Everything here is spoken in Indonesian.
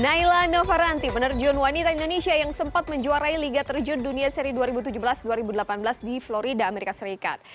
naila novaranti penerjun wanita indonesia yang sempat menjuarai liga terjun dunia seri dua ribu tujuh belas dua ribu delapan belas di florida amerika serikat